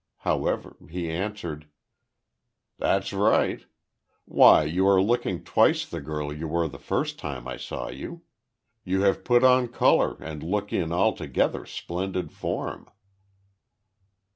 However, he answered: "That's right. Why you are looking twice the girl you were the first time I saw you. You have put on colour, and look in altogether splendid form."